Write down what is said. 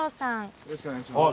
よろしくお願いします。